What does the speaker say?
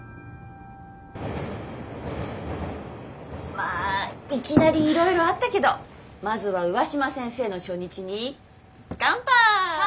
まあいきなりいろいろあったけどまずは上嶋先生の初日にかんぱい。